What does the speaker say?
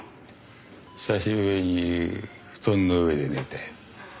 久しぶりに布団の上で寝たよ。